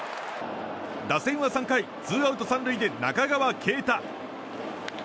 打線は３回、ツーアウト３塁で中川圭太。